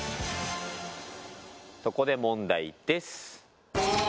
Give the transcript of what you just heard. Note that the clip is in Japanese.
そこで問題です。